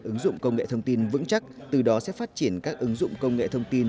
ứng dụng công nghệ thông tin vững chắc từ đó sẽ phát triển các ứng dụng công nghệ thông tin